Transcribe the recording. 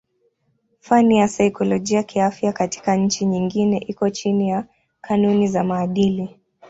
Fani ya saikolojia kiafya katika nchi nyingi iko chini ya kanuni za maadili.